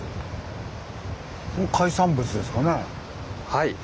はい。